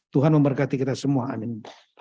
tuhan memberkati kita semua amin